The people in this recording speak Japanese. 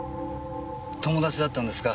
友達だったんですか？